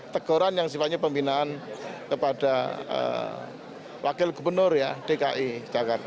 teguran yang sifatnya pembinaan kepada wakil gubernur dki jakarta